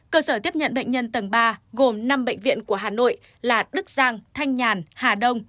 cơ sở tiếp nhận bệnh nhân tầng ba gồm năm bệnh viện của hà nội là đức giang thanh nhàn hà đông